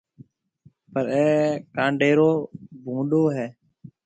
پر اَي ڪانڊيرو ڀونڏو هيَ